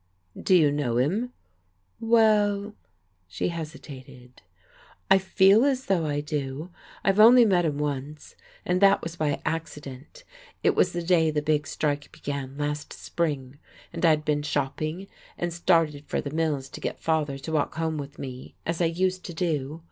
"Do you know him?" "Well, " she hesitated "I feel as though I do. I've only met him once, and that was by accident. It was the day the big strike began, last spring, and I had been shopping, and started for the mills to get father to walk home with me, as I used to do.